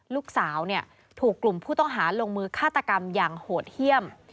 ลูกสาวถูกกลุ่มผู้ต้องหาลงมือฆาตกรรมอย่างโหดเยี่ยม